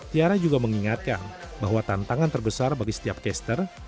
tiara juga mengingatkan bahwa tantangan terbesar bagi setiap caster